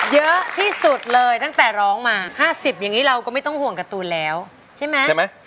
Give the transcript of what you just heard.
เยอะที่สุดเลยตั้งแต่ร้องมา๕๐อย่างนี้เราก็ไม่ต้องห่วงการ์ตูนแล้วใช่ไหม